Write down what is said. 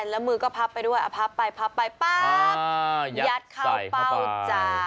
แล้วมือก็พับไปด้วยเอาพับไปพับไปปั๊บยัดเข้าเป้าจ้า